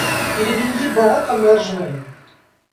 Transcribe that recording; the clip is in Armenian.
Իրվինգի բողոքը մերժվել է։